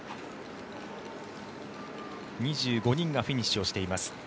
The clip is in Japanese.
２５人がフィニッシュをしています。